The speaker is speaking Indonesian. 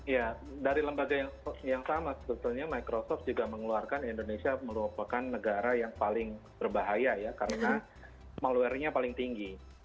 ya dari lembaga yang sama sebetulnya microsoft juga mengeluarkan indonesia merupakan negara yang paling berbahaya ya karena malware nya paling tinggi